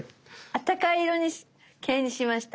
あったかい色系にしました。